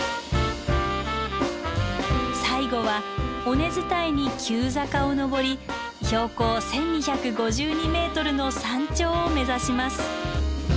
最後は尾根伝いに急坂を登り標高１，２５２ｍの山頂を目指します。